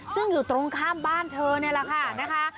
ซึ่งอยู่ตรงข้ามบ้านเธอนี่แหละค่ะนะคะ